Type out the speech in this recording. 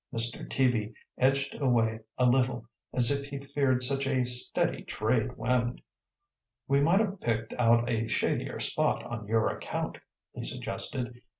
Mr. Teaby edged away a little, as if he feared such a steady trade wind. "We might ha' picked out a shadier spot, on your account," he suggested.